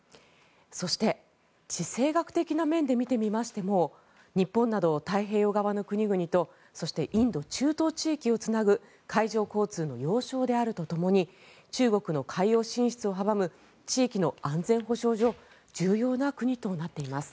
そして地政学的な面で見てみましても日本など太平洋側の国々とそしてインド・中東地域をつなぐ海上交通の要衝であるとともに中国の海洋進出を阻む地域の安全保障上重要な国となっています。